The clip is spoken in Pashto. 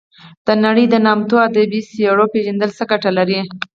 د نړۍ د نامتو ادبي څیرو پېژندل څه ګټه لري.